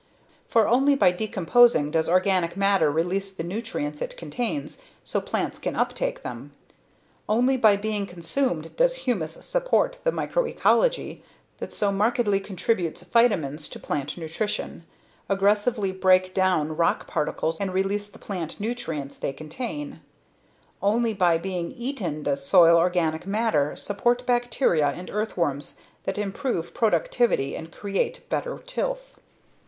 For only by decomposing does organic matter release the nutrients it contains so plants can uptake them; only by being consumed does humus support the microecology that so markedly contributes phytamins to plant nutrition, aggressively breaks down rock particles and releases the plant nutrients they contain; only by being eaten does soil organic matter support bacteria and earthworms that improve productivity and create better tilth.